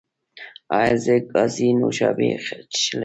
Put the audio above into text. ایا زه ګازي نوشابې څښلی شم؟